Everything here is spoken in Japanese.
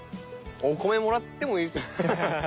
お米もらってもいいですか？